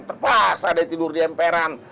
terpaksa dia tidur di emperan